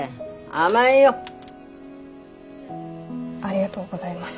ありがとうございます。